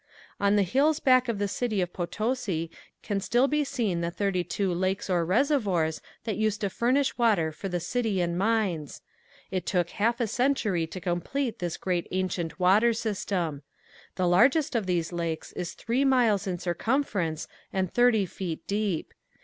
On the hills back of the city of Potosi can still be seen the thirty two lakes or reservoirs that used to furnish water for the city and mines. It took half a century to complete this great ancient water system. The largest of these lakes is three miles in circumference and thirty feet deep.